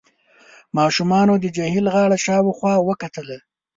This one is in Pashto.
ماشومانو د جهيل غاړه شاوخوا وکتله.